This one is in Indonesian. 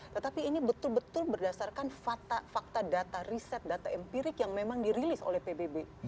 tetapi ini betul betul berdasarkan fakta data riset data empirik yang memang dirilis oleh pbb